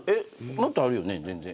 もっとあるよね、全然。